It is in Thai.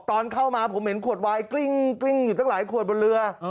ตอนเข้ามาผมเห็นขวดวายกลิ้งอยู่ตั้งหลายขวดบนเรือ